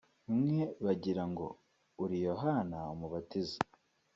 « Bamwe bagira ngo uri Yohana umubatiza